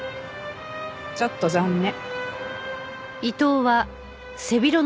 ちょっと残念。